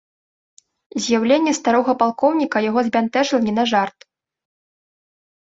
З'яўленне старога палкоўніка яго збянтэжыла не на жарт.